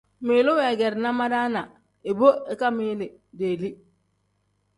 Ngmiilu weegeerina madaana ibo ikangmiili deeli.